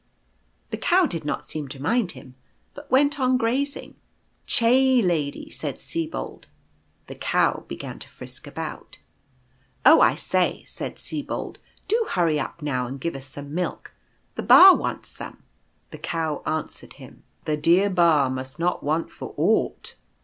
The Cow did not seem to mind him, but went on grazing. " Chay, Lady," said Sibold. The Cow began to frisk about. ct Oh, I say," said Sibold, 4< do hurry up now, and give us some milk ; the Ba wants some." The Cow answered him : ;fc " The dear Ba must not want for aught."